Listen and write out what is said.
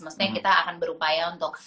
maksudnya kita akan berupaya untuk